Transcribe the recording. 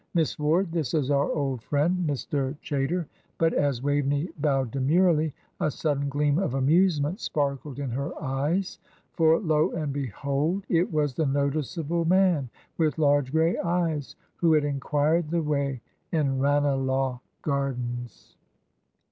"Miss Ward, this is our old friend, Mr. Chaytor;" but as Waveney bowed demurely, a sudden gleam of amusement sparkled in her eyes; for lo and behold! it was "the noticeable man, with large grey eyes" who had enquired the way in Ranelagh Gardens.